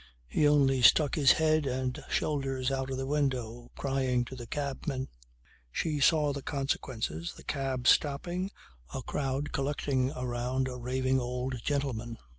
He only stuck his head and shoulders out of the window crying to the cabman. She saw the consequences, the cab stopping, a crowd collecting around a raving old gentleman